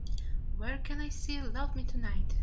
Where can i see Love Me Tonight